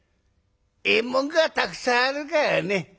ええもんがたくさんあるからね。